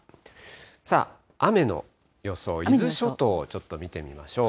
さあ、雨の予想、伊豆諸島をちょっと見てみましょう。